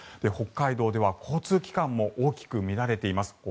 北海道では交通機関も大きく乱れています。